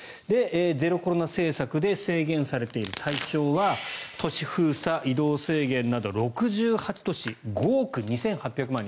ゼロコロナ政策で制限されている対象は都市封鎖、移動制限など６８都市５億２８００万人。